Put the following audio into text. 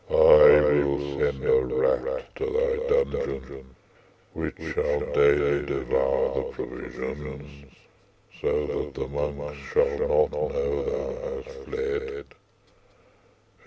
I will send a rat to thy dungeon, which shall daily devour the provisions, so that the monks shall not know thou hast fled.